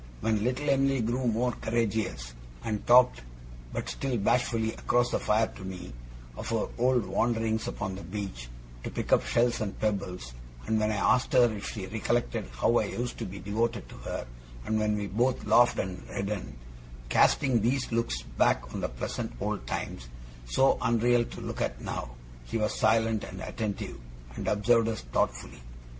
When little Em'ly grew more courageous, and talked (but still bashfully) across the fire to me, of our old wanderings upon the beach, to pick up shells and pebbles; and when I asked her if she recollected how I used to be devoted to her; and when we both laughed and reddened, casting these looks back on the pleasant old times, so unreal to look at now; he was silent and attentive, and observed us thoughtfully.